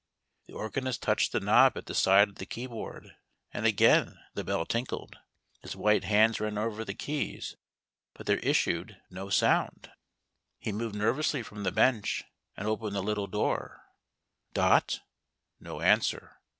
The organist touched the knob at the side of the key board, and again the bell tinkled. His white hands ran over the keys, but there issued no sound. 1 6 HOW DOT HEARD "THE MESSIAH." He moved nervously from the bench, and opened the little door. " Dot ?" No answer.